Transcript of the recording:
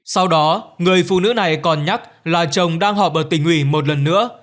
sau đó người phụ nữ này còn nhắc là chồng đang họp ở tỉnh ủy một lần nữa